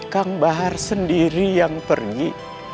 kang bahar sendiri yang pergi